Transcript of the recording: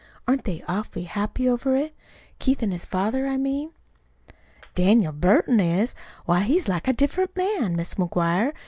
Aren't they awful happy over it Keith an' his father, I mean?" "Daniel Burton is. Why, he's like a different man, Mis' McGuire.